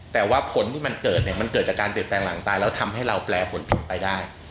แต่ว่าผลที่มันเกิดเนี่ยมันเกิดจากการเปลี่ยนแปลงหลังตายแล้วทำให้เราแปลผลผิดไปได้